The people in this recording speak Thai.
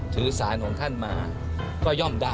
ถือสารของท่านมาก็ย่อมได้